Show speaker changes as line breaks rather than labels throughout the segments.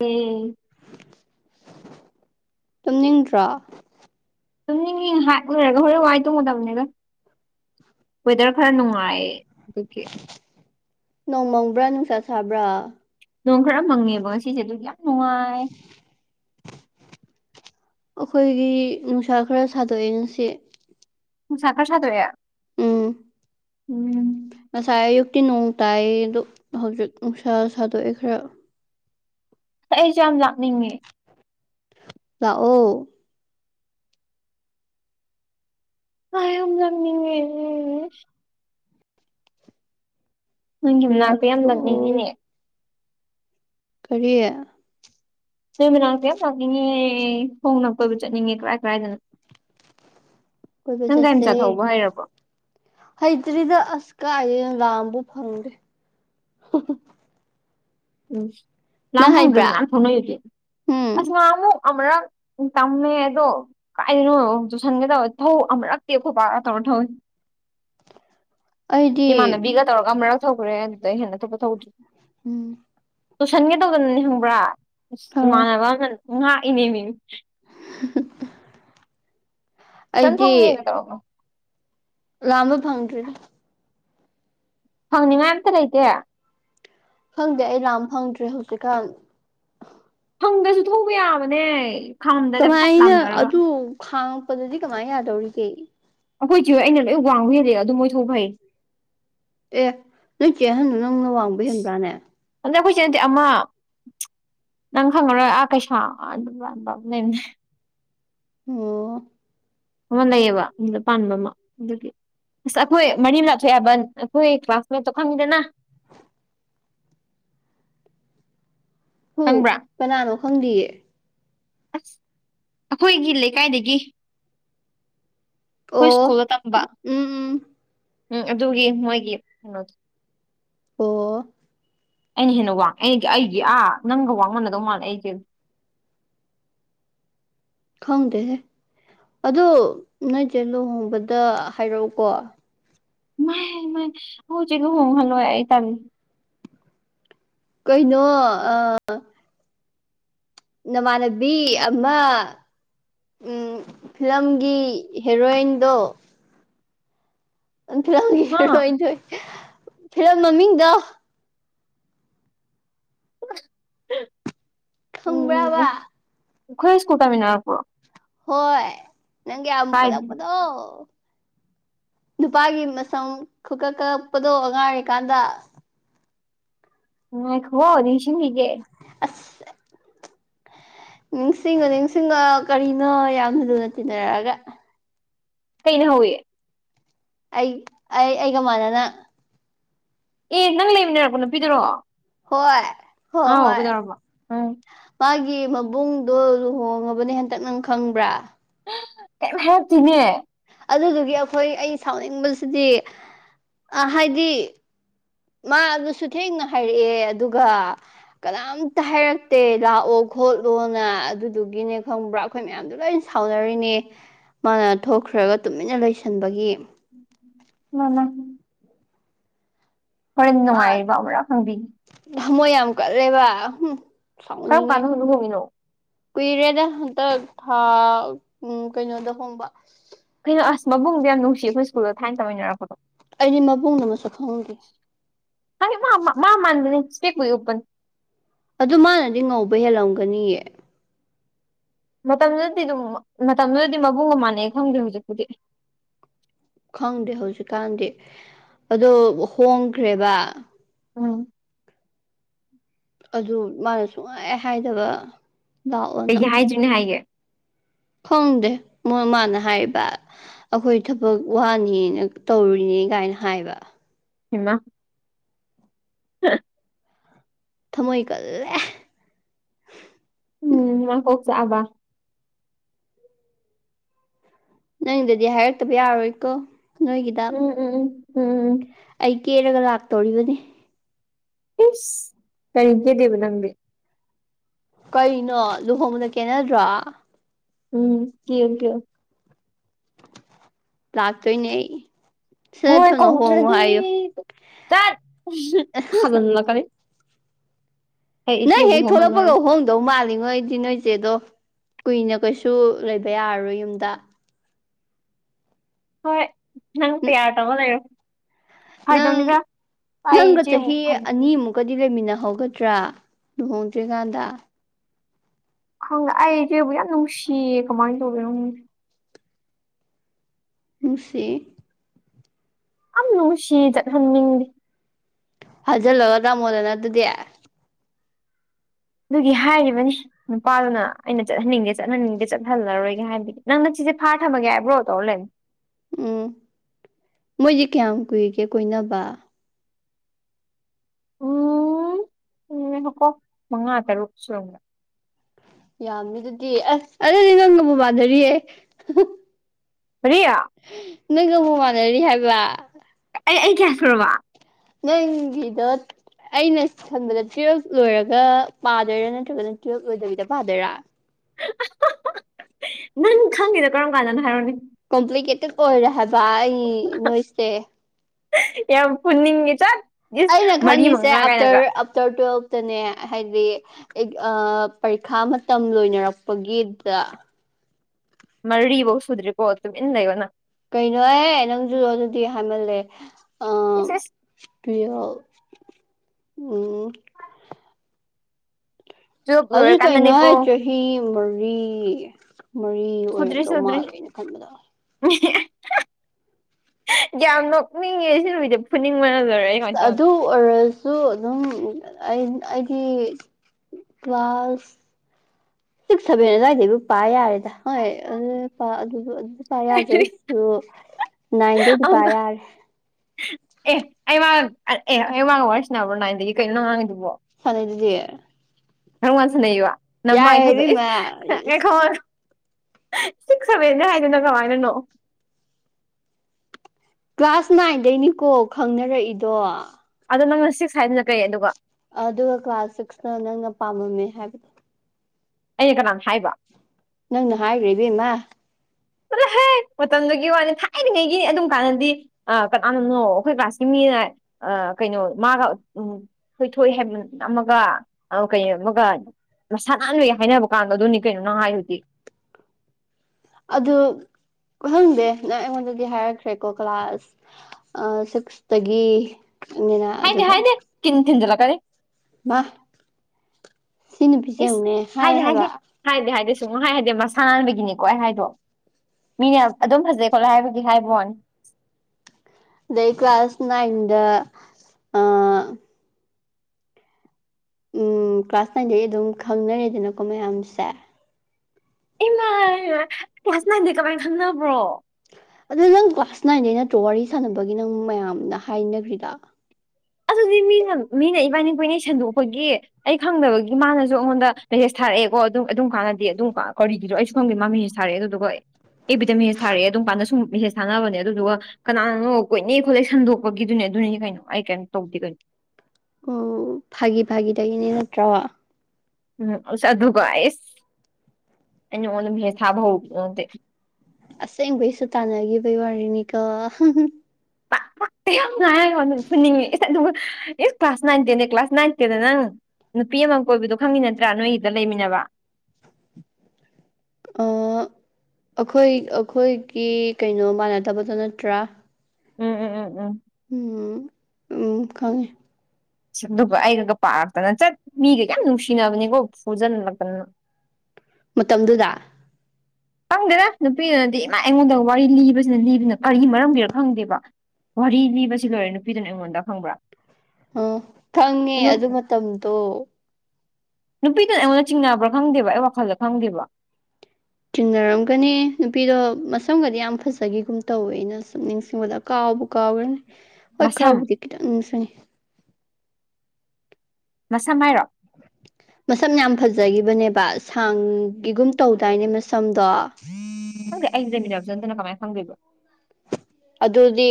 ꯎꯝ
ꯇꯨꯝꯅꯤꯡꯗ꯭ꯔꯥ
ꯇꯨꯝꯅꯤꯡꯉꯤ ꯍꯥꯏ ꯂꯣꯏꯔꯒ ꯍꯣꯔꯦꯟ ꯋꯥꯏ ꯇꯣꯡꯒꯗꯕꯅꯤꯒ ꯋꯦꯗꯔ ꯈꯔ ꯅꯨꯡꯉꯥꯏ ꯑꯣꯀꯦ
ꯅꯣꯡꯃꯪꯕ꯭ꯔꯥ ꯅꯨꯡꯁꯥ ꯁꯥꯕ꯭ꯔꯥ
ꯅꯣꯡ ꯈꯔ ꯃꯪꯉꯦꯕ ꯉꯁꯤꯁꯦ ꯑꯗꯨꯒꯤ ꯌꯥꯝ ꯅꯨꯡꯉꯥꯏ
ꯑꯩꯈꯣꯏꯒꯤ ꯅꯨꯡꯁꯥ ꯈꯔ ꯁꯥꯗꯣꯛꯑꯦ ꯉꯁꯤ
ꯅꯨꯨꯡꯁꯥ ꯈꯔ ꯁꯗꯣꯛꯑꯦ
ꯎꯝ
ꯎꯝ
ꯉꯁꯥꯏ ꯑꯌꯨꯛꯇꯤ ꯅꯣꯡ ꯇꯥꯏ ꯑꯗꯨ ꯍꯧꯖꯤꯛ ꯅꯨꯡꯁꯥ ꯁꯥꯗꯣꯛꯑꯦ ꯈꯔ
ꯑꯩꯁꯨ ꯌꯥꯝ ꯂꯥꯛꯅꯤꯡꯉꯦ
ꯂꯥꯛꯑꯣ
[unintelligible] ꯅꯪꯒꯤ ꯃꯅꯥꯛꯇꯥ ꯌꯥꯝ
ꯂꯥꯛꯊꯣꯛꯑꯣ
ꯂꯛꯅꯤꯡꯉꯤꯅꯦ
ꯀꯔꯤ
ꯅꯣꯏ ꯃꯅꯥꯛꯇ ꯌꯥꯝ ꯂꯥꯛꯅꯤꯡꯉꯦ ꯍꯣꯡꯅ ꯀꯣꯏꯕ ꯆꯠꯅꯤꯡꯉꯦ ꯀꯔꯥꯏ ꯀꯔꯥꯏꯗꯟ
ꯀꯣꯏꯕ
ꯅꯪꯒꯥꯥꯏ
ꯆꯠꯁꯦ
ꯃꯆꯥ ꯊꯧꯕ ꯍꯥꯏꯔꯕꯣ
ꯍꯩꯇ꯭ꯔꯤꯗ ꯑꯁ ꯀꯥꯏꯗꯩꯅꯣ ꯂꯥꯝꯕꯨ ꯐꯪꯗꯦ
ꯎꯝ ꯂꯥꯝ
ꯅꯪ ꯍꯩꯕ꯭ꯔꯥ
ꯐꯪꯗ꯭ꯔꯅ ꯂꯥꯝ ꯊꯣꯛꯅꯩꯗꯤ ꯑꯁ
ꯎꯝ
ꯉꯍ ꯃꯨꯛ ꯑꯃꯔꯛ ꯇꯃꯦ ꯑꯗꯣ ꯀꯥꯏꯗꯅꯣ ꯇꯨꯁꯟꯒꯦ ꯊꯧꯏ ꯊꯧ ꯑꯃꯨꯔꯛꯇꯦ ꯑꯈꯣꯏ ꯕꯥꯒ ꯇꯧꯔ ꯊꯧꯋꯤ
[inaudible] ꯑꯩꯗꯤ
ꯏꯃꯥꯟꯅꯕꯤꯒ ꯇꯧꯔꯒ ꯑꯃꯔꯛ ꯊꯧꯈ꯭ꯔꯦ ꯑꯗꯨꯗ ꯍꯦꯟꯅ ꯑꯇꯣꯞꯄ ꯊꯧꯗ꯭ꯔꯤ
ꯎꯝ
ꯇꯨꯁꯟꯒꯦ ꯇꯧꯗꯅꯅꯦ ꯈꯪꯕ꯭ꯔꯥ ꯑꯁ
ꯑꯥ
ꯏꯃꯥꯟꯅꯕ ꯑꯃꯅ ꯉꯥꯛꯏꯅꯦ ꯃꯤ
[inaudible]
[unintelligible]
ꯂꯝꯕ ꯐꯪꯗ꯭ꯔꯤꯗ
ꯐꯪꯅꯤꯡꯉꯥꯏ ꯑꯝꯇ ꯂꯩꯇꯦ
ꯈꯪꯗꯦ ꯑꯩ ꯂꯥꯝ ꯐꯪꯗ꯭ꯔꯦ ꯍꯧꯖꯤꯛꯀꯥꯟ
ꯐꯪꯗꯁꯨ ꯊꯧꯕ ꯌꯥꯕꯅꯦ ꯈꯥꯝꯗꯥꯏꯗ ꯐꯠ
ꯀꯃꯥꯏꯅ
ꯂꯥꯝꯗꯔꯒ
ꯑꯗꯨ ꯈꯥꯡꯉꯛꯄꯗꯗꯤ ꯀꯃꯥꯏꯅ ꯌꯥꯗꯧꯔꯤꯒꯦ
ꯑꯩꯈꯣꯏ ꯆꯦ ꯍꯣꯢ ꯑꯩꯅ ꯂꯣꯏ ꯋꯥꯡꯕ ꯍꯦꯜꯂꯦ ꯑꯗꯨꯝ ꯃꯣꯏ ꯊꯧꯕ ꯍꯩ
ꯑꯦ ꯅꯣꯏꯆꯦ ꯑꯍꯟꯗꯨ ꯅꯪꯅ ꯋꯥꯡꯕ ꯍꯦꯟꯕ꯭ꯔꯥꯅꯦ
[unintelligible] ꯆꯦ ꯅꯠꯇꯦ ꯑꯃ ꯅꯪ ꯈꯪꯉꯔꯣꯏ ꯑꯥ ꯀꯩꯁꯥ [unintelligible] ꯑꯃ ꯂꯩꯕꯅꯦ
ꯑꯣ
ꯑꯃ ꯂꯩꯌꯦꯕ ꯃꯤꯗ ꯄꯥꯟꯕ ꯑꯃ ꯑꯗꯨꯒꯤ ꯑꯁ ꯑꯩꯈꯣꯏ ꯃꯔꯤ ꯃꯇꯥ ꯊꯣꯛ ꯑꯦ ꯍꯥꯏꯕ ꯑꯩꯈꯣꯏ ꯀ꯭ꯂꯁꯃꯦꯠ ꯇꯣ ꯈꯪꯉꯤꯗꯅꯥ
ꯍꯨ
ꯈꯪꯕ꯭ꯔꯥ
ꯀꯅꯥꯅꯣ ꯈꯪꯗꯤꯌꯦ
ꯑꯁ ꯑꯩꯈꯣꯏꯒꯤ ꯂꯩꯀꯥꯏꯗꯒꯤ ꯑꯩꯈꯣꯏ ꯁ꯭ꯀꯨꯜꯗ
ꯑꯣ
ꯇꯝꯕ
ꯎꯝ ꯎꯝ
ꯎꯝ ꯑꯗꯨꯒꯤ ꯃꯣꯏꯒꯤ ꯀꯩꯅꯣꯗꯣ
ꯑꯣ
ꯑꯩꯅ ꯍꯦꯟꯅ ꯋꯥꯡ ꯑꯩ ꯑꯩꯒꯤ ꯑꯥ ꯅꯪꯒ ꯋꯥꯡ ꯃꯥꯟꯅꯗꯧ ꯃꯥꯜꯂꯦ ꯑꯩꯁꯦ
ꯈꯪꯗꯦꯍꯦ ꯑꯗꯣ ꯅꯣꯏꯆꯦ ꯂꯨꯍꯣꯡꯕꯗ ꯍꯥꯏꯔꯛꯎꯀꯣ
ꯃꯥꯏ ꯃꯥꯏ ꯑꯩꯈꯣꯏ ꯆꯦ ꯂꯨꯍꯣꯡꯍꯜꯂꯣꯏ ꯑꯩ ꯇꯜꯂꯤ
ꯀꯩꯅꯣ ꯑ ꯅꯃꯥꯟꯅꯕꯤ ꯑꯃ ꯐꯤꯂꯝꯒꯤ ꯍꯦꯔꯣꯏꯟꯗꯣ ꯐꯤꯂꯝꯒꯤ
ꯍꯥ
ꯍꯦꯔꯣꯏꯟ ꯐꯤꯂꯝ ꯃꯃꯤꯡꯗꯣ
ꯎꯝ
ꯊꯨꯝꯕ꯭ꯔꯥꯕ
ꯑꯩꯈꯣꯏ ꯁ꯭ꯀꯨꯜ ꯇꯝꯃꯤꯟꯅꯔꯛꯄ꯭ꯔꯣ
ꯍꯣꯏ ꯅꯪꯒ ꯌꯥꯝ
ꯀꯥꯏꯗꯒꯤ
ꯄꯨꯂꯛꯄꯗꯣ ꯅꯨꯄꯥꯒꯤ ꯃꯁꯝ ꯈꯨꯀꯛ ꯀꯛꯄꯗꯣ ꯑꯉꯥꯡ ꯑꯣꯏꯔꯤꯀꯥꯟꯗ
ꯉꯥꯏꯈꯨꯋꯣ ꯅꯤꯡꯁꯤꯡꯒꯤꯒꯦ
[inaudible] ꯅꯤꯡꯁꯤꯡꯉꯣ ꯅꯤꯡꯁꯤꯡꯉꯣ ꯀꯔꯤꯅꯣ ꯌꯥꯝꯅ ꯂꯨꯅ ꯇꯤꯟꯅꯔꯛꯑꯒ
ꯀꯩꯩꯅ ꯍꯧ ꯋꯤ
ꯑꯩ ꯑꯩ ꯑꯩꯒ ꯃꯥꯟꯅꯅ
ꯑꯦ ꯅꯪ ꯂꯩꯃꯤꯟꯅꯔꯛꯄ ꯅꯨꯄꯤꯗꯨꯔꯣ
ꯍꯣꯏ ꯍꯣ
ꯑꯥꯎ
ꯍꯣꯏ
ꯀꯩꯗꯧꯔꯕ ꯎꯝ
ꯃꯥꯒꯤ ꯃꯕꯨꯡꯗꯣ ꯂꯨꯍꯣꯡꯉꯕꯅꯤ ꯍꯟꯇꯛ ꯅꯪ ꯈꯪꯕ꯭ꯔꯥ
ꯀꯩꯝ ꯍꯥꯏꯔꯛꯇꯤꯅꯦ
ꯑꯗꯨꯗꯨꯒꯤ ꯑꯩꯈꯣꯏ ꯑꯩ ꯁꯥꯎꯅꯤꯡꯕꯁꯤꯗꯤ ꯍꯥꯏꯗꯤ ꯃꯥ ꯑꯗꯨꯁꯨ ꯊꯦꯡꯅ ꯍꯥꯏꯔꯛꯑꯦ ꯑꯗꯨꯒ ꯀꯅꯥꯝꯇ ꯍꯥꯏꯔꯛꯇꯦ ꯂꯥꯛꯑꯣ ꯈꯣꯠꯂꯣꯅ ꯑꯗꯨꯗꯨꯒꯤꯅꯦ ꯈꯪꯕ꯭ꯔꯥ ꯑꯩꯈꯣꯏ ꯃꯌꯥꯝꯗꯣ ꯂꯣꯏ ꯁꯥꯎꯅꯔꯤꯅꯦ ꯃꯥꯅ ꯊꯣꯛꯈ꯭ꯔꯒ ꯇꯨꯃꯤꯟꯅ ꯂꯩꯁꯟꯕꯒꯤ
ꯃꯥ ꯅ ꯍꯣꯔꯦꯟ
ꯃꯥ
ꯅꯨꯡꯉꯥꯏꯔꯤꯕ ꯑꯃꯔꯛ ꯍꯪꯕꯤꯒꯦ
ꯊꯃꯣꯏ ꯌꯥꯝ ꯀꯜꯂꯦꯕ
ꯀꯔꯝ
ꯁꯥꯎꯅꯤꯡꯉꯦ
ꯀꯥꯟꯗ ꯂꯨꯍꯣꯡꯉꯤꯅꯣ
ꯀꯨꯏꯔꯦꯗ ꯍꯟꯇꯛ ꯊꯥ ꯎ ꯀꯩꯅꯣꯗ ꯍꯣꯡꯕ
ꯀꯩꯅꯣ ꯑꯁ ꯃꯕꯨꯡꯣ ꯌꯥꯝ ꯅꯨꯡꯁꯤ ꯑꯩꯈꯣꯏ ꯁ꯭ꯀꯨꯜꯗ ꯊꯥꯏꯅ ꯇꯧꯃꯤꯟꯅꯔꯄꯗꯣ
ꯑꯩꯗꯤ ꯃꯕꯨꯡꯗꯣ ꯃꯁꯛ ꯈꯪꯗꯦ
ꯈꯪꯗꯦ ꯃꯥ ꯃꯥ ꯃꯥ ꯃꯥꯥꯟꯕꯅꯦ ꯏꯁꯦꯛꯄꯨꯗꯤ ꯎꯞꯄꯅꯦ
ꯑꯗꯨ ꯃꯥꯅꯗꯤ ꯉꯧꯕ ꯍꯦꯜꯂꯝꯒꯅꯤꯌꯦ
ꯃꯇꯝꯗꯨꯗꯗꯤ ꯑꯗꯨꯝ ꯃꯇꯝꯗꯨꯗꯗꯤ ꯃꯕꯨꯡꯒ ꯃꯥꯟꯅꯩ ꯈꯪꯗꯦ ꯍꯧꯖꯤꯛꯄꯨꯗꯤ
ꯈꯪꯗꯦ ꯍꯧꯖꯤꯛꯀꯥꯟꯗꯤ ꯑꯗꯣ ꯍꯣꯡꯈ꯭ꯔꯦꯕ
ꯎꯝ
ꯑꯗꯨ ꯃꯥꯅ ꯁꯨꯡꯍꯥꯏ ꯍꯥꯏꯗꯕ ꯂꯥꯛꯑꯣꯅ
ꯀꯩꯒꯤ ꯍꯥꯏꯗ꯭ꯔꯤꯅꯤ ꯍꯥꯏꯒꯦ
ꯈꯪꯗꯦ ꯃꯣꯏ ꯃꯥꯅ ꯍꯥꯏꯔꯤꯕ ꯑꯩꯈꯣꯏ ꯊꯕꯛ ꯋꯥꯅꯤꯅ ꯇꯧꯔꯨꯏꯅꯦ ꯀꯥꯏꯅ ꯍꯥꯏꯕ
ꯍꯤꯃꯥ
ꯊꯝꯃꯣꯏ ꯀꯜꯂꯦ
ꯎꯝ ꯃꯀꯣꯛ ꯆꯥꯛꯑꯕ
ꯅꯪꯒꯤꯗꯗꯤ ꯍꯥꯏꯔꯛꯇꯕ ꯌꯥꯔꯣꯏꯀꯣ ꯅꯣꯏꯒꯤꯗ
ꯎꯝ ꯎꯝ ꯎꯝ ꯎꯝ ꯎꯝ
ꯑꯩ ꯀꯦꯔꯒ ꯂꯥꯛꯇꯣꯔꯤꯕꯅꯤ
ꯏꯁ ꯀꯔꯤ ꯀꯦꯗꯣꯏꯕ ꯅꯪꯗꯤ
ꯀꯩꯅꯣ ꯂꯨꯍꯣꯡꯕꯗ ꯀꯦꯅꯗ꯭ꯔꯣ
ꯎꯝ ꯀꯦꯌꯨ ꯀꯦꯌꯨ
ꯂꯥꯛꯇꯣꯏꯅꯦ ꯑꯩ ꯁꯠ ꯁꯠ
ꯍꯣꯏ
ꯊꯨꯅ ꯍꯣꯡꯉꯨ
ꯀꯧꯗ꯭ꯔꯗꯤ
ꯍꯥꯏꯌꯨ
ꯆꯠ ꯊꯥꯖꯜꯂꯛꯀꯅꯤ ꯑꯩ
ꯅꯪ
ꯏꯆꯦꯕꯨ
ꯍꯦꯛ ꯊꯣꯛꯂꯛꯄꯒ
ꯍꯣꯡꯍꯟꯂꯔꯣꯏ
ꯍꯣꯡ ꯗꯧ ꯃꯥꯜꯂꯤꯉꯣ ꯑꯩꯗꯤ ꯅꯣꯏ ꯆꯦꯗꯣ ꯀꯨꯏꯅ ꯀꯩꯁꯨ ꯂꯩꯕ ꯌꯥꯔꯔꯣꯏ ꯌꯨꯝꯗ
ꯍꯣꯏ ꯅꯪ ꯇꯌꯥꯔ ꯇꯧꯕ ꯂꯩꯔꯣ
ꯅꯪ
ꯐꯥꯒꯤꯇꯧꯅꯤꯗ ꯑꯩ
ꯅꯪꯒ
ꯏꯆꯦꯕꯨ
ꯆꯍꯤ
ꯊꯝꯅꯤꯡꯉꯤ
ꯑꯅꯤꯃꯨꯛ ꯀꯗꯤ ꯂꯩꯃꯤꯟꯅꯍꯧꯒꯗ꯭ꯔꯥ ꯂꯨꯍꯣꯡꯗ꯭ꯔꯤ ꯀꯥꯟꯗ
ꯈꯪꯗꯦ ꯑꯩ ꯏꯆꯦꯕꯨ ꯌꯥꯝ ꯅꯨꯡꯁꯤꯌꯦ ꯀꯃꯥꯏꯅ ꯇꯧꯗꯣꯏꯅꯣ ꯈꯪꯗꯦ
ꯅꯨꯡꯁꯤ
ꯌꯥꯝ ꯅꯨꯡꯁꯤ ꯆꯠꯍꯟꯅꯤꯡꯗꯦ
ꯐꯥꯖꯜꯂꯒ ꯊꯝꯃꯣꯗꯅ ꯑꯗꯨꯗꯤ
ꯑꯗꯨꯒꯤ ꯍꯥꯏꯔꯤꯕꯅꯤ ꯅꯨꯄꯥꯗꯨꯅ ꯑꯩꯅ ꯆꯠꯍꯟꯅꯤꯡꯗꯦ ꯆꯠꯍꯟꯅꯤꯡꯗꯦ ꯆꯠꯍꯜꯂꯔꯣꯏꯒꯦ ꯍꯥꯏꯕꯒꯤ ꯅꯪ ꯅꯆꯦꯁꯦ ꯐꯥꯔ ꯊꯃꯒꯦ ꯍꯥꯏꯕ꯭ꯔꯣ ꯇꯧꯔ ꯂꯩꯔꯕꯅꯤ
ꯎꯝ ꯃꯣꯏꯖꯦ ꯀꯌꯥꯝ ꯀꯨꯏꯒꯦ ꯀꯣꯏꯅꯕ
ꯎꯝ ꯎꯝ ꯉꯥꯏꯈꯣꯀꯣ ꯃꯉꯥ ꯇꯔꯨꯛ ꯁꯨꯔꯝꯒꯗ꯭ꯔ
ꯌꯥꯝꯃꯤꯗꯨꯗꯤ ꯑꯁ ꯑꯗꯨꯗꯤ ꯅꯪꯒꯕꯨ ꯃꯥꯟꯅꯔꯤꯌꯦ
ꯀꯔꯤ
ꯅꯪꯒꯕꯨ ꯃꯥꯟꯅꯔꯤ ꯍꯥꯏꯕ
ꯑꯩ ꯑꯩ ꯀꯌꯥ ꯁꯨꯔꯕ
ꯅꯪꯒꯤꯗꯣ ꯑꯩꯅ ꯈꯟꯕꯗ ꯇꯨꯋꯦꯜꯕ ꯂꯣꯏꯔꯒ ꯄꯥꯗꯣꯏꯔꯥ ꯅꯠꯇ꯭ꯔꯒꯅ ꯇꯨꯋꯦꯜꯕ ꯂꯣꯏꯗꯕꯤꯗ ꯄꯥꯗꯣꯏꯔꯥ
ꯅꯪ ꯈꯪꯉꯤꯗꯣ ꯀꯔꯝ ꯀꯥꯟꯗꯅꯣ ꯍꯥꯏꯔꯣꯅꯦ
ꯀꯣꯝꯄ꯭ꯂꯤꯀꯦꯇꯦꯠ ꯑꯣꯏꯔꯦ ꯍꯥꯏꯕ ꯑꯩ ꯅꯣꯏꯁꯦ
ꯌꯥꯝ ꯐꯨꯅꯤꯡꯉꯦ ꯆꯠ ꯏꯁ
ꯑꯩꯅ
ꯃꯔꯤ
ꯈꯪꯉꯤꯁꯦ
ꯃꯉꯥ ꯀꯥꯏꯅꯒ
ꯑꯞꯇꯔ ꯑꯥꯞꯇꯔ ꯇꯨꯋꯦꯜꯞ ꯇꯅꯦ ꯍꯥꯏꯗꯤ ꯑꯦꯛ ꯑꯥ ꯄꯔꯤꯈꯥ ꯃꯇꯝ ꯂꯣꯏꯅꯔꯛꯄꯒꯤꯗ
ꯃꯔꯤꯕꯧ ꯁꯨꯗ꯭ꯔꯤꯀꯣ ꯇꯨꯃꯤꯟ ꯂꯩꯌꯣ ꯅꯪ
ꯀꯩꯅꯣꯍꯦ ꯅꯪꯁꯨ ꯑꯗꯨꯗꯤ ꯍꯥꯏꯃꯜꯂꯦ
ꯏꯁ ꯏꯁ
ꯇꯨꯌꯦꯜꯄ ꯎꯝ
ꯇꯨꯌꯦꯜꯞ
ꯍꯧꯖꯤꯛ ꯀꯩꯅꯣ
ꯂꯣꯏꯔꯀꯥꯟꯗꯅꯤꯀꯣ
ꯍꯥꯏ ꯆꯦ ꯆꯍꯤ ꯃꯔꯤ ꯃꯔꯤ
ꯁꯨꯗ꯭ꯔꯤ
ꯑꯣꯏꯔꯝꯗꯧ
ꯁꯨꯗ꯭ꯔꯤ
ꯃꯥꯜꯂꯦ ꯑꯩꯅ ꯈꯟꯕꯗ
ꯌꯥꯝ ꯅꯣꯛꯅꯤꯡꯉꯦ ꯁꯤ ꯅꯨꯨꯄꯤꯖꯦ ꯐꯨꯅꯤꯡꯕꯅ ꯂꯣꯏꯔꯦ ꯑꯩ ꯀꯃꯥꯏꯅ ꯇꯧꯅꯤ
ꯑꯗꯨ ꯑꯣꯏꯔꯁꯨ ꯑꯗꯨꯝ ꯑꯩ ꯑꯩꯗꯤ ꯀ꯭ꯂꯥꯁ ꯁꯤꯛꯁ ꯁꯚꯦꯟ ꯑꯗꯥꯏꯗꯒꯤ ꯄꯥ ꯌꯥꯔꯦꯗ ꯍꯣꯏ ꯑꯗꯨ ꯄꯥ ꯑꯗꯨꯗ ꯑꯗꯨꯗꯤ ꯄꯥ ꯌꯥꯗ꯭ꯔꯁꯨ ꯅꯥꯏꯟꯗꯩꯗꯤ ꯄꯥ
ꯑꯃꯨꯛ
ꯌꯥꯔꯦ
ꯑꯦ ꯑꯩ ꯃꯥꯒ ꯑꯦ ꯑꯩ ꯃꯥꯒ ꯋꯥꯔꯤ ꯁꯟꯅꯕ꯭ꯔꯣ ꯅꯥꯏꯟꯗꯒꯤ ꯀꯩꯅꯣ ꯅꯪ ꯉꯥꯡꯉꯤꯗꯨꯕꯣ
ꯁꯅꯤꯗꯨꯗꯤ
ꯀꯔꯝ ꯀꯥꯟ ꯁꯥꯟꯅꯩ ꯌꯨꯋꯥ
ꯌꯥꯔꯦ
ꯅꯃꯥꯏ ꯊꯥꯖꯟ
ꯏꯕꯦꯝꯃ
ꯢꯁ ꯉꯥꯢꯈꯣ ꯁꯤꯛꯁ ꯁꯚꯦꯟꯒ ꯍꯥꯏꯗꯨꯅ ꯀꯃꯥꯏꯅꯅꯣ
ꯀ꯭ꯂꯥꯁ ꯅꯥꯏꯟꯗꯩꯅꯤꯀꯣ ꯈꯪꯅꯔꯛꯏꯗꯣ
ꯑꯗꯣ ꯅꯪꯅ ꯁꯤꯛꯁ ꯍꯥꯏꯗꯨꯅ ꯀꯩ ꯑꯗꯨꯒ
ꯑꯗꯨꯒ ꯀ꯭ꯂꯥꯁ ꯁꯤꯛꯁꯇ ꯅꯪꯅ ꯄꯥꯝꯃꯝꯃꯦ ꯍꯥꯏꯕꯗꯤ
ꯑꯩꯅ ꯀꯅꯥꯅ ꯍꯥꯏꯕ
ꯅꯪ ꯍꯥꯏꯒ꯭ꯔꯦ ꯢꯕꯦꯝꯃ
ꯆꯠꯂꯨꯍꯦ ꯃꯇꯝꯗꯨꯒꯤ ꯋꯥꯅꯤ ꯊꯥꯏꯔꯤꯉꯩꯒꯤ ꯑꯗꯨꯝ ꯀꯥꯟꯅꯗꯤ ꯑ ꯀꯅꯥꯅꯅꯣ ꯑꯩꯈꯣꯏ ꯀ꯭ꯂꯥꯁꯀꯤ ꯃꯤꯅ ꯑ ꯀꯩꯅꯣ ꯃꯥꯒ ꯎꯝ ꯊꯣꯏꯊꯣꯢ ꯍꯥꯏꯕ ꯑꯃꯒ ꯀꯩ ꯑꯃꯒ ꯃꯁꯥꯟ ꯅꯥꯟꯂꯌꯦ ꯍꯥꯏꯅꯕ ꯀꯥꯟꯗ ꯑꯗꯨꯅꯤ ꯀꯩꯅꯣ ꯅꯪ ꯍꯥꯏꯔꯨꯗꯤ
ꯑꯗꯨ ꯈꯪꯗꯦ ꯅꯪ ꯑꯩꯉꯣꯟꯗꯗꯤ ꯍꯥꯏꯔꯛꯈ꯭ꯔꯦꯀꯣ ꯀ꯭ꯂꯥꯁ ꯑꯥ ꯁꯤꯛꯁꯇꯒꯤꯅ
ꯍꯥꯏꯗꯦ ꯍꯥꯏꯗꯦ ꯀꯤꯟ ꯊꯤꯟꯖꯜꯂꯛꯀꯅꯤ
ꯃꯥ ꯁꯤ ꯅꯨꯄꯤꯁꯦ
ꯏꯁ
ꯌꯦꯡꯉꯨꯅꯦ ꯍꯥꯏ
ꯍꯥꯏꯗꯦ
ꯍꯥꯏꯕ
ꯍꯥꯏꯗꯦ ꯍꯥꯏꯗꯤ ꯍꯥꯏꯗꯤ ꯁꯨꯝ ꯍꯥꯏꯗꯦ ꯃꯁꯥꯟ ꯅꯥꯟꯕꯒꯤꯅꯤꯀꯣ ꯑꯩ ꯍꯥꯏꯗꯣ ꯃꯤꯅ ꯌꯥꯝ ꯑꯗꯨꯝ ꯐꯖꯩ ꯈꯣꯠꯂꯦ ꯍꯥꯏꯕꯒꯤ ꯍꯥꯏꯕꯣꯅꯦ
ꯑꯗꯩ ꯀ꯭ꯂꯥꯁꯥ ꯅꯏꯟꯗ ꯑ ꯎꯝ ꯀ꯭ꯂꯥꯁ ꯅꯥꯏꯟꯗꯩ ꯑꯗꯨꯝ ꯈꯪꯅꯔꯦꯗꯅꯀꯣ ꯃꯌꯥꯝꯁꯦ
ꯏꯃꯥꯢꯄꯦꯝꯃ ꯀ꯭ꯂꯥꯁ ꯅꯥꯏꯟꯗꯤ ꯀꯃꯥꯏꯅ ꯈꯪꯅꯕ꯭ꯔꯣ
ꯑꯗꯨ ꯅꯪ ꯀ꯭ꯂꯥꯁ ꯅꯥꯏꯟꯗꯩ ꯅꯠꯇ꯭ꯔꯣ ꯋꯥꯔꯤ ꯁꯥꯟꯅꯕꯒꯤ ꯅꯪ ꯃꯌꯥꯝꯅ ꯍꯥꯏꯅꯈ꯭ꯔꯤꯗ
ꯑꯗꯨꯗꯤ ꯃꯤꯅ ꯃꯤꯅ ꯏꯕꯥꯏꯅꯤ ꯀꯣꯢꯅꯩ ꯁꯟꯗꯣꯛꯄꯒꯤ ꯑꯩ ꯈꯪꯗꯕꯒꯤ ꯃꯥꯅꯁꯨ ꯑꯩꯉꯣꯟꯗ ꯃꯦꯁꯦꯖ ꯊꯥꯔꯛꯑꯦꯀꯣ ꯑꯗꯨꯝ ꯑꯗꯨꯝ ꯀꯥꯟꯅꯗꯤ ꯑꯗꯨꯝ ꯀꯧꯔꯤꯒꯤꯅꯣ ꯑꯩꯁꯨ ꯈꯪꯗꯦ ꯃꯥ ꯃꯦꯁꯦꯖ ꯊꯥꯔꯛꯑꯦ ꯑꯗꯨꯒ ꯑꯩ ꯑꯦꯐ ꯕꯤ ꯃꯦꯁꯦꯖ ꯑꯗꯨꯝꯀꯥꯟꯗ ꯁꯨꯝ ꯁꯥꯟꯅꯕꯅꯦ ꯑꯗꯨꯗꯨꯒ ꯀꯅꯥꯅꯣ ꯀꯣꯏꯅꯩ ꯈꯣꯠꯂꯩ ꯁꯟꯗꯣꯛꯄꯒꯤꯗꯨꯅꯦ ꯑꯗꯨꯅꯤꯅꯦ ꯀꯩꯅꯣ ꯑꯩ ꯀꯩꯝ ꯇꯧꯗꯦ ꯀꯩꯅꯣ
ꯑꯣ ꯐꯥꯒꯤ ꯐꯥꯒꯤꯗꯒꯤꯅꯦ ꯅꯠꯇ꯭ꯔꯣꯕ
ꯎꯝ ꯑꯁ ꯑꯗꯨꯒ ꯑꯦꯁ ꯑꯩꯅ ꯃꯉꯣꯟꯗ ꯃꯦꯁꯦꯖ ꯊꯥꯕ ꯍꯕꯁꯨ ꯅꯠꯇꯦ
ꯑꯁꯦꯡꯕꯩꯁꯨ ꯇꯥꯟꯅꯒꯤꯕꯩ ꯋꯥꯔꯤꯅꯤꯀꯣ
ꯄꯥꯛ ꯌꯥꯝ ꯉꯥꯏ ꯐꯨꯅꯤꯡꯉꯦ ꯢꯁ ꯑꯗꯨꯒ ꯢꯁ ꯀ꯭ꯂꯥꯁ ꯅꯥꯏꯟ ꯇꯦꯟꯗ ꯀ꯭ꯂꯥꯁ ꯅꯥꯏꯟ ꯇꯦꯟꯗ ꯅꯪ ꯅꯨꯄꯤ ꯑꯃ ꯀꯣꯏꯕꯗꯣ ꯈꯪꯉꯤ ꯅꯠꯇ꯭ꯔꯥ ꯅꯣꯏꯒꯤꯗ ꯂꯩꯃꯤꯟꯅꯕ
ꯑ ꯑꯩꯈꯣꯏ ꯑꯩꯈꯣꯏꯒꯤ ꯀꯩꯅꯣ ꯃꯥꯟꯅꯗꯕꯗꯣ ꯅꯠꯇ꯭ꯔꯥ
ꯎꯝ ꯎꯝ ꯎꯝ ꯎꯝ
ꯎꯝ ꯎꯝ ꯈꯪꯉꯦ
ꯑꯗꯨꯒ ꯑꯩꯒꯒ ꯄꯥꯔꯛꯇꯅ ꯆꯠ ꯃꯤꯒ ꯀꯌꯥꯝ ꯅꯨꯡꯁꯤꯅꯕꯅꯤꯀꯣ ꯐꯨꯖꯤꯜꯂꯛꯇꯅ
ꯃꯇꯝꯗꯨꯗ
ꯈꯪꯗꯦꯔ ꯅꯨꯄꯤꯗꯨꯅꯗꯤ ꯏꯃꯥ ꯑꯩꯉꯣꯟꯗ ꯋꯥꯔꯤ ꯂꯤꯕꯁꯤꯅ ꯂꯤꯕꯁꯤꯅ ꯀꯔꯤ ꯃꯔꯝꯒꯤꯔ ꯈꯪꯗꯦꯕ ꯋꯥꯔꯤ ꯂꯤꯕꯁꯤ ꯂꯣꯏꯔꯦ ꯅꯨꯄꯤꯗꯨꯅ ꯑꯩꯉꯣꯟꯗ ꯈꯪꯕ꯭ꯔꯥ
ꯑꯣ ꯈꯪꯉꯦ
ꯑꯗꯨꯝ
ꯑꯗꯨ ꯃꯇꯝꯗꯣ
ꯅꯨꯄꯤꯗꯨꯅ ꯑꯩꯉꯣꯟꯗ ꯆꯤꯡꯅꯕ꯭ꯔꯥ ꯈꯪꯗꯦꯕ ꯑꯩ ꯋꯥꯈꯜꯗ ꯈꯪꯗꯦꯕ
ꯆꯤꯡꯅꯔꯝꯒꯅꯤ ꯅꯨꯄꯤꯗꯣ ꯃꯁꯝꯒꯗꯤ ꯌꯥꯝ ꯐꯖꯈꯤꯒꯨꯝ ꯇꯧꯋꯦ ꯑꯩꯅ ꯁꯛ ꯅꯤꯡꯁꯤꯡꯕꯗ ꯀꯥꯎꯕꯨ ꯀꯥꯎꯈ꯭ꯔꯅꯤ ꯍꯣꯏ
ꯃꯁꯝ
ꯈꯔꯕꯨꯗꯤ ꯈꯤꯇꯪ ꯅꯤꯡꯁꯤꯡꯉꯦ
ꯃꯁꯥ ꯍꯥꯏꯔꯣ
[unintelligible] ꯃꯁꯝ ꯌꯥꯝ ꯐꯖꯒꯤꯕꯅꯦꯕ ꯁꯥꯡꯒꯤꯒꯨꯝ ꯇꯧꯗꯥꯏꯅꯦ ꯃꯁꯝꯗꯣ
ꯈꯪꯗꯦ ꯑꯩꯩꯒ ꯂꯩꯃꯤꯟꯅꯕꯁꯨ ꯅꯠꯇꯅ ꯀꯃꯥꯏ ꯈꯪꯗꯣꯏꯕ
ꯑꯗꯨꯗꯤ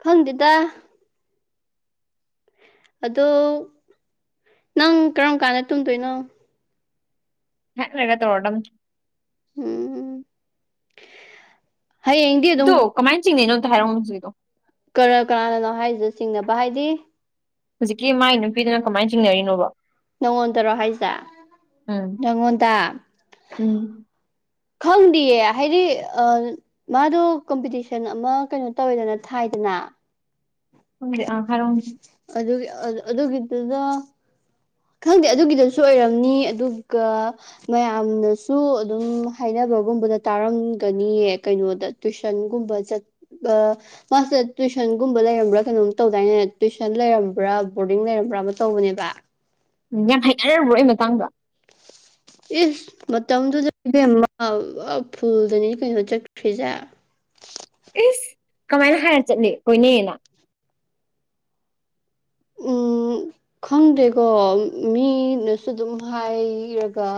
ꯈꯪꯗꯦꯗ ꯑꯗꯣ ꯅꯪ ꯀꯔꯝ ꯀꯥꯟꯗ ꯇꯨꯝꯗꯣꯏꯅꯣ
ꯉꯍꯥꯛ ꯂꯩꯔ ꯇꯧꯔꯗꯝꯅꯤ
ꯎꯝ ꯍꯌꯦꯡꯗꯤ
ꯑꯗꯣ
ꯑꯗꯨꯝ
ꯀꯃꯥꯏꯟ ꯆꯤꯡꯅꯩꯅꯣ ꯑꯝꯇ ꯍꯥꯏꯔꯛꯑꯣꯟ ꯍꯧꯖꯤꯛꯀꯤꯗꯣ
ꯀꯔ ꯀꯅꯥꯅꯅꯣ ꯍꯥꯏꯖꯦ ꯆꯤꯡꯅꯕ ꯍꯥꯏꯗꯤ
ꯍꯧꯖꯤꯛꯀꯤ ꯃꯥꯏ ꯅꯨꯄꯤꯗꯨꯅ ꯀꯃꯥꯏꯟ ꯆꯤꯡꯅꯔꯤꯅꯣꯕ
ꯅꯉꯣꯟꯗꯔꯣ ꯍꯥꯏꯁꯦ
ꯎꯝ
ꯅꯪꯉꯣꯟꯗ
ꯎꯝ
ꯈꯪꯗꯤꯌꯦ ꯍꯥꯏꯗꯤ ꯑꯥ ꯃꯥꯗꯣ ꯀꯝꯄꯤꯇꯤꯁꯟ ꯑꯃ ꯀꯩꯅꯣ ꯇꯧꯋꯦꯗꯅ ꯊꯥꯏꯗꯅ
ꯈꯪꯗꯦ ꯑꯥ ꯍꯥꯏꯔꯧꯅꯦ
ꯑꯗꯨꯒꯤ ꯑꯥꯗꯨ ꯑꯗꯨꯒꯤꯗꯨꯗ ꯈꯪꯗꯦ ꯑꯗꯨꯒꯤꯗꯁꯨ ꯑꯣꯏꯔꯝꯅꯤ ꯑꯗꯨꯒ ꯃꯌꯥꯝꯅꯁꯨ ꯑꯗꯨꯝ ꯍꯥꯏꯅꯕꯒꯨꯝꯕꯗ ꯇꯥꯔꯝꯒꯅꯤꯌꯦ ꯀꯩꯅꯣꯗ ꯇꯨꯏꯁꯟꯒꯨꯝꯕ ꯆꯠ ꯑꯥ ꯃꯥꯁꯦ ꯇꯨꯏꯁꯟꯒꯨꯝꯕ ꯂꯩꯔꯝꯕ꯭ꯔꯥ ꯀꯩꯅꯣꯝ ꯇꯧꯗꯥꯏꯅꯦ ꯇꯨꯏꯁꯟ ꯂꯩꯔꯝꯕ꯭ꯔꯥ ꯕꯣꯔꯗꯤꯡ ꯂꯩꯔꯝꯕ꯭ꯔꯥ ꯑꯃ ꯇꯧꯕꯅꯦꯕ
ꯎꯝ ꯌꯥꯝ ꯍꯥꯏꯅꯔꯕ꯭ꯔꯣ ꯑꯩ ꯃꯇꯥꯡꯗ
ꯏꯁ ꯃꯇꯝꯗꯨꯗ ꯏꯕꯦꯝꯃ ꯑꯥ ꯐꯨꯜꯗꯅꯤ ꯀꯩꯅꯣ ꯆꯠꯈ꯭ꯔꯤꯖꯦ
ꯑꯁ ꯀꯃꯥꯏꯅ ꯍꯥꯏꯔ ꯆꯠꯂꯤ ꯀꯣꯏꯅꯩꯌꯦꯅ
ꯎꯝ ꯈꯪꯗꯦꯀꯣ ꯃꯤꯅꯁꯨ ꯑꯗꯨꯝ ꯍꯥꯏꯔꯒ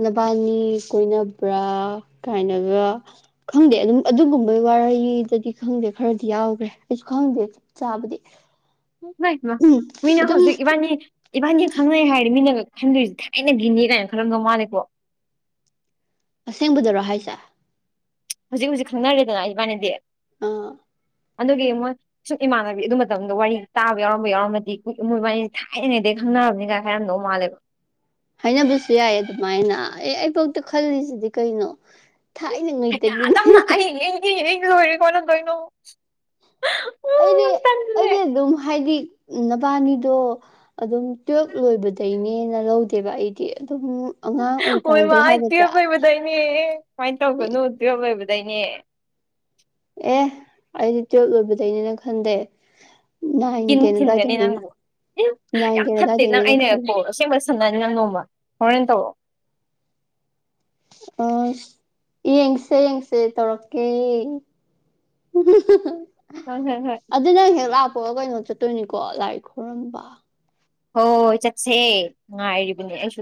ꯅꯕꯥꯅꯤ ꯀꯣꯏꯅꯕ꯭ꯔꯥ ꯀꯥꯏꯅꯒ ꯈꯪꯗꯦ ꯑꯗꯨꯝ ꯑꯗꯨꯒꯨꯝꯕꯩ ꯋꯥꯔꯤꯔꯗꯗꯤ ꯈꯪꯗꯦ ꯈꯔꯗꯤ ꯌꯥꯎꯒ꯭ꯔꯦ ꯑꯩꯁꯨ ꯈꯪꯗꯦ ꯆꯥꯕꯗꯤ
ꯃꯥꯏ ꯄꯦꯃꯥ
ꯎꯝ
ꯃꯤꯅ
ꯑꯗꯨꯝ
ꯍꯧꯖꯤꯛ ꯏꯕꯥꯏꯅꯤ ꯏꯕꯥꯥꯏꯅꯤ ꯈꯪꯅꯩ ꯍꯥꯏꯔ ꯃꯤꯅꯒ ꯈꯟꯗꯣꯏꯖꯦ ꯊꯥꯥꯏꯅ ꯒꯤꯅꯤ ꯀꯥꯏꯅ ꯈꯜꯂꯝꯗꯧ ꯃꯥꯂꯦꯀꯣ
ꯑꯁꯦꯡꯕꯗꯔꯣ ꯍꯥꯏꯁꯦ
ꯍꯧꯖꯤꯛ ꯍꯧꯖꯤꯛ ꯈꯪꯅꯔꯤꯗꯅ ꯏꯕꯥꯅꯤꯗꯤ
ꯑꯥ
ꯑꯗꯨꯒꯤ ꯃꯣꯏ ꯁꯨꯛ ꯏꯃꯥꯟꯅꯕꯤ ꯑꯗꯨ ꯃꯇꯝꯗ ꯋꯥꯔꯤ ꯇꯥꯕ ꯌꯥꯎꯔꯝꯕ ꯌꯥꯎꯔꯝꯃꯗꯤ ꯀꯨꯏꯛ ꯃꯣꯏ ꯕꯥꯅꯤ ꯊꯥꯏꯅꯉꯩꯗꯩ ꯈꯪꯅꯔꯕꯅꯤꯗ__ ꯍꯔꯝꯗꯧ ꯃꯥꯜꯂꯦꯕ
ꯍꯥꯏꯅꯕꯁꯨ ꯌꯥꯏ ꯑꯗꯨꯃꯥꯏꯅ ꯑꯦ ꯑꯩꯕꯥꯎꯇ ꯈꯜꯂꯤꯁꯤꯗꯤ ꯀꯩꯅꯣ ꯊꯥꯏꯅꯉꯩꯇꯒꯤꯅꯦ
ꯏ ꯑꯩ ꯂꯣꯏꯔꯦ ꯀꯃꯥꯏ ꯇꯧꯗꯣꯏꯅꯣ
ꯑꯩꯗꯤ ꯑꯩꯗꯤ ꯑꯗꯨꯝ ꯍꯥꯏꯗꯤ ꯅꯕꯥꯅꯤꯗꯣ ꯑꯗꯨꯝ ꯇꯨꯋꯦꯜꯕ ꯂꯣꯏꯕꯗꯩꯅꯦꯅ ꯂꯧꯗꯦꯕ ꯑꯩꯗꯤ ꯑꯗꯨꯝ ꯑꯉꯥꯡ ꯑꯣꯏꯔꯤꯀꯥꯟꯗꯩ ꯍꯥꯏꯒꯗ꯭ꯔꯥ
ꯑꯗꯩꯅꯦ ꯀꯃꯥꯏꯟ ꯇꯧꯒꯅꯨ ꯇꯨꯋꯦꯜꯕ ꯂꯣꯏꯕꯗꯩꯅꯦ
ꯑꯦ ꯑꯩꯗꯤ ꯇꯨꯋꯦꯜꯕ ꯂꯣꯏꯕꯗꯩꯅꯦꯅ ꯈꯟꯗꯦ ꯅꯥꯏꯟ
ꯀꯤꯟ
ꯇꯦꯟ
ꯊꯤꯟꯒꯅꯤ
ꯑꯗꯨꯋꯥꯏꯗꯩꯅꯦ
ꯅꯪꯕꯨ ꯑꯦ ꯌꯥꯝ
ꯅꯥꯏꯟꯒꯤꯔ
ꯐꯠꯇꯦ ꯅꯪ
ꯑꯗꯥꯏꯗꯩꯅꯦꯅ ꯈꯜꯂꯦ
ꯑꯩꯅꯒꯀꯣ__ ꯑꯁꯦꯡꯕ ꯁꯥꯟꯅꯅꯤ ꯅꯪ ꯅꯣꯡꯃ ꯍꯣꯔꯦꯟ ꯇꯧꯔꯛꯑꯣ
ꯑꯁ ꯌꯦꯡꯁꯦ ꯌꯦꯡꯁꯦ ꯇꯧꯔꯛꯀꯦ [unintelligible]
ꯍ ꯍ ꯍꯣꯏ
ꯑꯗꯨ ꯅꯪ ꯍꯦꯛ ꯂꯥꯛꯄꯒ ꯀꯩꯅꯣ ꯆꯠꯇꯣꯏꯅꯤꯀꯣ ꯂꯥꯏ ꯈꯣꯔꯝꯕ
ꯍꯣꯏ ꯍꯣꯏ ꯆꯠꯁꯦ ꯉꯥꯏꯔꯤꯕꯅꯦ ꯑꯩꯁꯨ